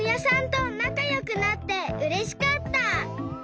となかよくなってうれしかった！